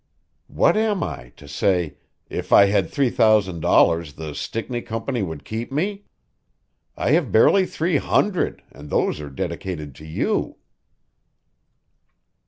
"What am I, to say, 'If I had three thousand dollars the Stickney Company would keep me?' I have barely three hundred and those are dedicated to you."